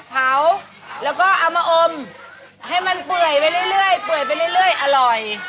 เผาแล้วก็เอามาอมให้มันเปื่อยไปเรื่อยอร่อย